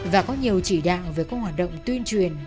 và có nhiều chỉ đạo về các hoạt động tuyên truyền